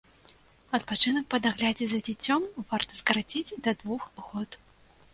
Адпачынак па даглядзе за дзіцем варта скараціць да двух год.